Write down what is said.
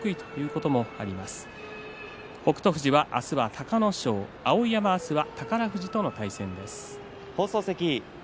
富士は明日は隆の勝碧山は明日は宝富士との対戦です。